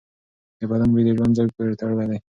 د بدن بوی د ژوند ځای پورې تړلی دی.